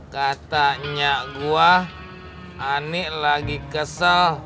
katanya gua anik lagi kesel